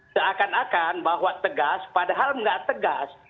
seakan akan bahwa tegas padahal nggak tegas